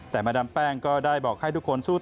แต่มาดามแป้งก็ได้บอกให้ทุกคนสู้ต่อ